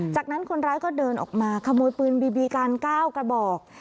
จากนั้นคนร้ายก็เดินออกมาขโมยปืนบีบีกัน๙กระบอก